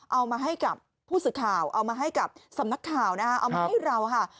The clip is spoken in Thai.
เอามาให้กับผู้สื่อข่าวเอามาให้กับสำนักข่าวนะฮะเอามาให้เราค่ะ